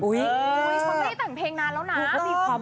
อุ้ยฉันไม่ได้แต่งเพลงนานแล้วนะ